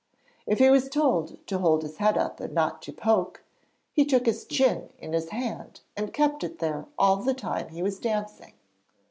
If he was told to hold his head up and not to poke, he took his chin in his hand, and kept it there all the time he was dancing.